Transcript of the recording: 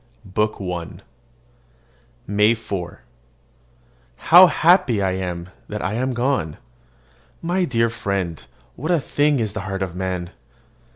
BOOK I MAY 4. How happy I am that I am gone! My dear friend, what a thing is the heart of man!